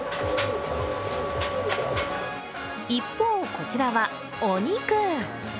一方、こちらはお肉。